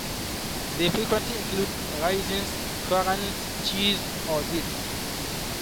They frequently include raisins, currants, cheese or dates.